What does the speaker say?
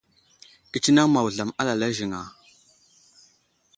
Kətsineŋ ma wuzlam alala ziŋ a ?